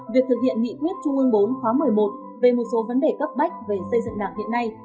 việc thực hiện nghị quyết trung ương bốn khóa một mươi một về một số vấn đề cấp bách về xây dựng đảng hiện nay